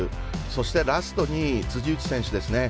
そして、ラストに辻内選手ですね。